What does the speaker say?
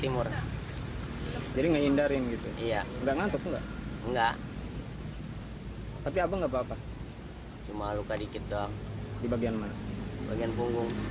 tidak menimbulkan korban jiwa